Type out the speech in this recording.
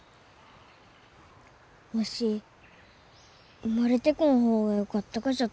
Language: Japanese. わし生まれてこん方がよかったがじゃと。